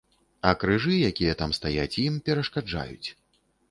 А крыжы, якія там стаяць, ім перашкаджаюць.